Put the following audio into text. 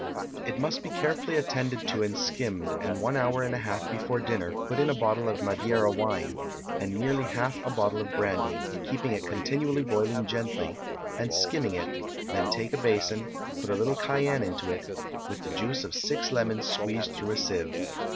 It must be carefully attended to and skimmed, and one hour and a half before dinner put in a bottle of Madeira wine, and nearly half a bottle of brandy, keeping it continually boiling gently, and skimming it, then take a basin, put a little cayenne into it, with the juice of six lemons squeezed through a sieve.